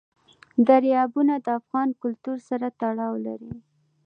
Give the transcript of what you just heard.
دریابونه د افغان کلتور سره تړاو لري.